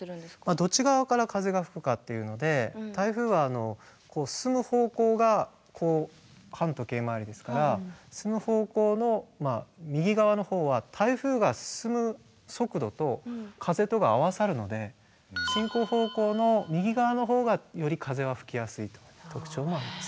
どっち側から風が吹くかっていうので台風は進む方向がこう反時計回りですから進む方向の右側の方は台風が進む速度と風とが合わさるので進行方向の右側の方がより風は吹きやすいという特徴もあります。